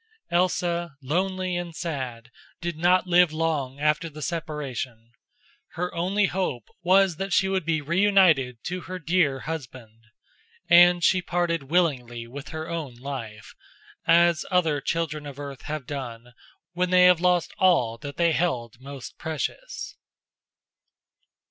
Elsa, lonely and sad, did not live long after the separation. Her only hope was that she would be reunited to her dear husband; and she parted willingly with her own life, as other children of earth have done when they have lost all that they held most precious.